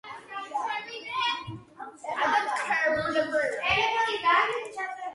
კლიმატი ზომიერი ზღვიურია, რბილი ზამთრითა და გრილი ზაფხულით.